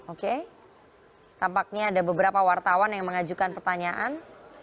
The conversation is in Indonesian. oke tampaknya ada beberapa wartawan yang mengajukan pertanyaan